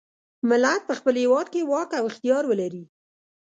ملت په خپل هیواد کې واک او اختیار ولري.